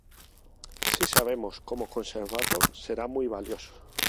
Si sabemos como conservarlo, será muy valioso".